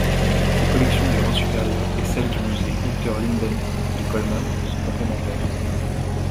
Ses collections du Rhin supérieur et celles du musée Unterlinden de Colmar sont complémentaires.